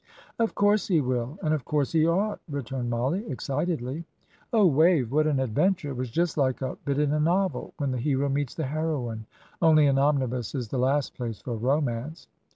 "Of course he will, and of course he ought," returned Mollie, excitedly. "Oh, Wave, what an adventure! It was just like a bit in a novel when the hero meets the heroine only an omnibus is the last place for a romance."